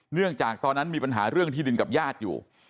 เนื่องจากตอนนั้นมีปัญหาเรื่องที่ดินกับญาติอยู่